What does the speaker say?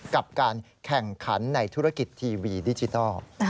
กับการแข่งขันในธุรกิจทีวีดิจิทัล